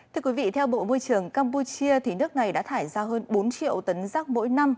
thưa quý vị theo bộ môi trường campuchia nước này đã thải ra hơn bốn triệu tấn rác mỗi năm